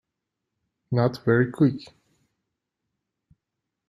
Not very Quick.